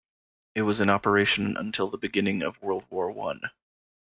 It was in operation until the beginning of World War One.